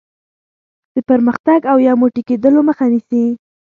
د پرمختګ او یو موټی کېدلو مخه نیسي.